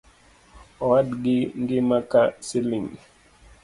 Owadgi ngima ka siling